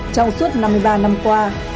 trong suốt năm mươi ba năm qua